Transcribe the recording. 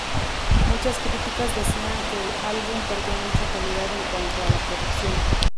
Muchas críticas decían que el álbum perdió mucha calidad en cuanto a la producción.